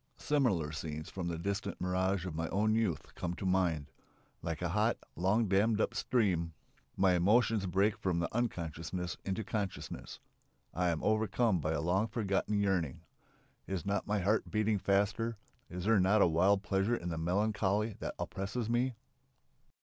Similar scenes from the distant mirage of my own youth come to mind. Like a hot, long dammed up stream my emotions break from the unconsciousness into consciousness. I am overcome by a long forgotten yearning. Is not my heart beating faster? Is there not a wild pleasure in the melancholy that oppresses me?